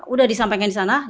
udah disampaikan di sana